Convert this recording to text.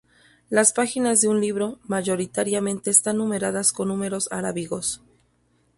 Las páginas de un libro, mayoritariamente, están numeradas con números arábigos.